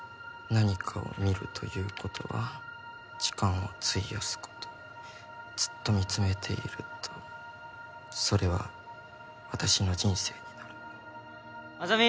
何かを見ると言うことは時間を費やすことずっと見つめているとそれは、私の人生になる」莇！